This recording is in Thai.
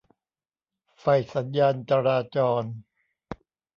ไฟสัญญาณจราจร